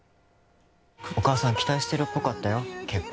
お母さん期待してるっぽかったよ、結婚。